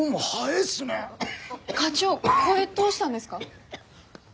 課長声どうしたんですか？